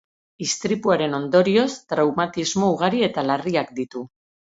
Istripuaren ondorioz, traumatismo ugari eta larriak ditu.